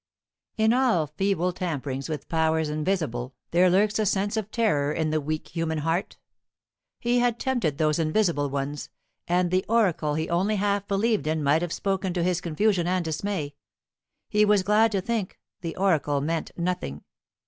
In all feeble tamperings with powers invisible there lurks a sense of terror in the weak human heart. He had tempted those invisible ones, and the oracle he only half believed in might have spoken to his confusion and dismay. He was glad to think the oracle meant nothing.